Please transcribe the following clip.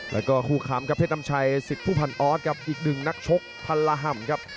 แล้วก็คู่คำครับเพชรน้ำชัยสิทธิ์ผู้พันออสครับอีกหนึ่งนักชกพันละห่ำครับ